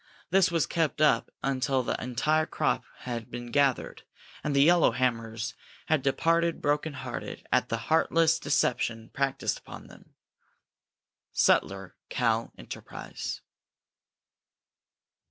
This was kept up until the entire crop had been gathered and the yellowhammers had departed broken hearted at the heartless deception practiced upon them. _Sutler (Cal.) Enterprise.